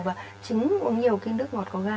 và chứng uống nhiều cái nước ngọt có ra